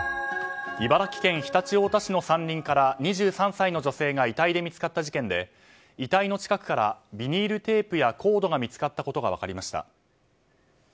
茨城県常陸太田市の山林から２３歳の女性が遺体で見つかった事件で遺体の近くからビニールテープやコードが見つかったことが分かりました。